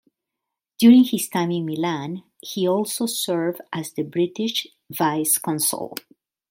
During his time in Milan, he also served as the British vice-consul.